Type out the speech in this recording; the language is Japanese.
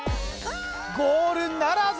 ゴールならず！